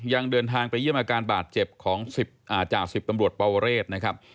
ยังเดินทางไปเยี่ยมอาการบาดเจ็บของจ่าสิบตำรวจปวเรศนะครับ